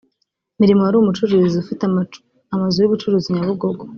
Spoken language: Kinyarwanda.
Milimo wari umucuruzi ufite amazu y’ubucuruzi Nyabugogo